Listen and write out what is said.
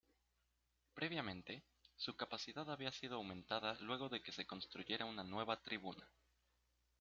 Previamente, su capacidad había sido aumentada luego de que se construyera una nueva tribuna.